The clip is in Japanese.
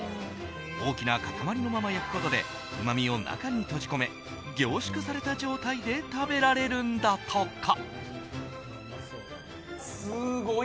大きな塊のまま焼くことでうまみを中に閉じ込め凝縮された状態で食べられるんだとか。